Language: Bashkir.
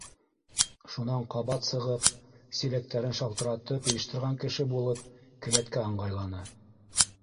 Шунан ҡабат сығып, силәктәрен шалтыратып йыйыштырған кеше булып, келәткә ыңғайланы.